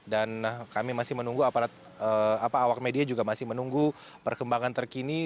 dan kami masih menunggu awak media juga masih menunggu perkembangan terkini